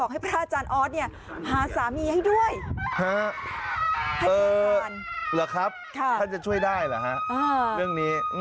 ให้พระอาจารย์หรือครับท่านจะช่วยได้เหรอฮะเรื่องนี้อืม